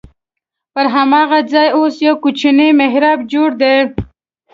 پر هماغه ځای اوس یو کوچنی محراب جوړ دی.